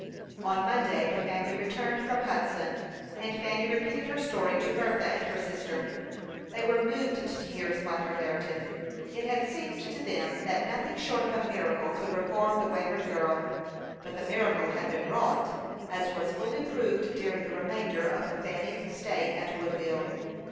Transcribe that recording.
On Monday the family returned from Hudson, and Fanny repeated her story to Bertha and her sister. They were moved to tears by her narrative. It had seemed to them that nothing short of a miracle could reform the wayward girl; but the miracle had been wrought, as was fully proved during the remainder of Fanny's stay at Woodville.